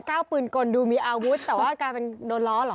ก้าวปืนกลดูมีอาวุธแต่ว่ากลายเป็นโดนล้อเหรอ